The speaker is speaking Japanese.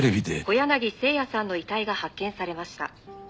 「小柳征矢さんの遺体が発見されました」